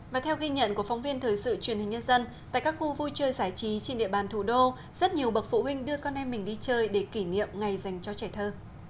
và theo ghi nhận của phóng viên thời sự truyền hình nhân dân tại các khu vui chơi giải trí trên địa bàn thủ đô rất nhiều bậc phụ huynh đưa con em mình đi chơi để kỷ niệm ngày dành cho trẻ thơ